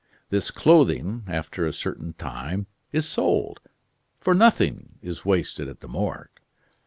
This clothing, after a certain time, is sold for nothing is wasted at the Morgue.